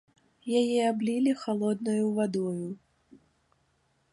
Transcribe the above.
Яе аблілі халоднаю вадою.